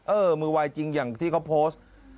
เออมือวายจริงอย่างที่เขาโพสต์